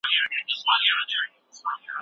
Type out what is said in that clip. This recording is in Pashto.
ايا زه کولای سم ستا کتاب په پور واخلم؟